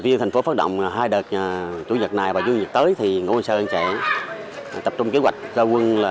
vì thành phố phát động hai đợt chủ nhật này và chủ nhật tới thì ngôi sở sẽ tập trung kế hoạch ra quân